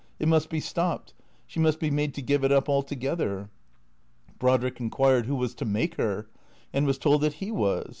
" It must be stopped. She must be made to give it up — altogether." Brodrick inquired who was to make her? and was told that he was.